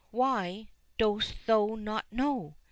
—" Why, dost thou not know